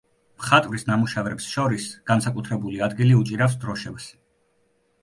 მხატვრის ნამუშევრებს შორის განსაკუთრებული ადგილი უჭირავს დროშებს.